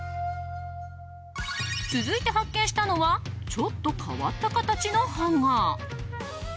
続いて発見したのはちょっと変わった形のハンガー。